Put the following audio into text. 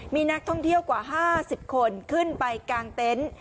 มีนักท่องเที่ยวกว่า๕๐คนขึ้นไปกลางเต็นต์